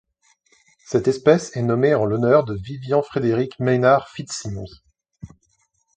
Cette espèce est nommée en l'honneur de Vivian Frederick Maynard FitzSimons.